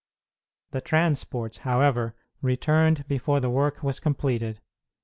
The transports, however, returned before the work was completed.